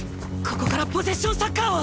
ここからポゼッションサッカーを！